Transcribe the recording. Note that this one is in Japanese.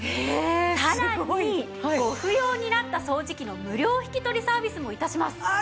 さらにご不要になった掃除機の無料引き取りサービスも致します。